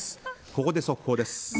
ここで速報です。